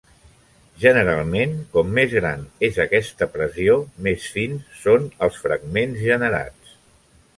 Generalment, com més gran és aquesta pressió, més fins són els fragments generats.